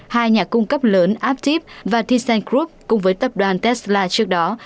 hai nhà cung cấp lớn aptiv và thyssenkrupp cùng với tập đoàn tesla trước đó